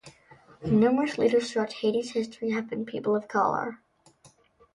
Numerous leaders throughout Haiti's history have been people of color.